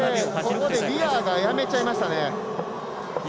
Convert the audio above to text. ここでウィアーがやめちゃいましたね。